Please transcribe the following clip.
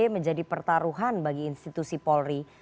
menjadi pertaruhan bagi institusi polri